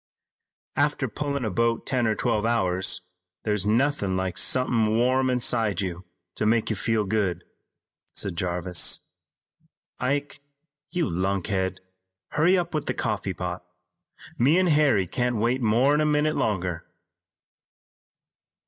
"After pullin' a boat ten or twelve hours there's nothin' like somethin' warm inside you to make you feel good," said Jarvis. "Ike, you lunkhead, hurry up with that coffee pot. Me an' Harry can't wait more'n a minute longer."